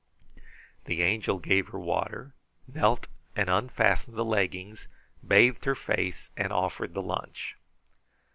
The Angel gave her water, knelt and unfastened the leggings, bathed her face, and offered the lunch.